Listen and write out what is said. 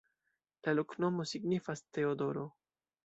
La loknomo signifas: Teodoro.